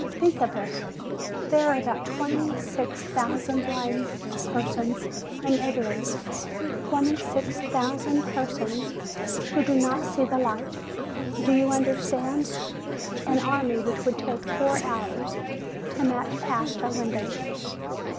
Think of it! there are about twenty six thousand blind persons in Italy I Twenty six thousand persons who do not see the light. Do you understand? An army which would take four hours to march past our windows."